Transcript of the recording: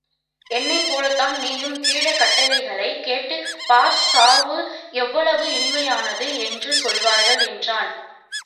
என்னைப்போலத்தான் நீயும் கிழக் கட்டைகளைக் கேட்டுப் பார் சாவு எவ்வளவு இனிமையானது என்று சொல்வார்கள் என்றான்.